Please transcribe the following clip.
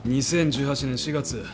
２０１８年４月。